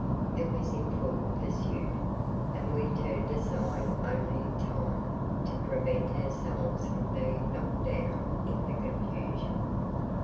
It was in full pursuit, and we turned aside only in time to prevent ourselves from being knocked down in the confusion.